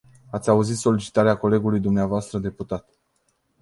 Ați auzit solicitarea colegului dvs. deputat.